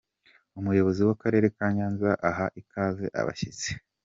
Umuyobozi w'akarere ka Nyanza aha ikaze abashyitsi.